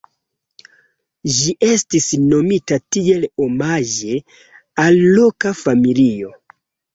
Ĝi estis nomita tiel omaĝe al loka familio.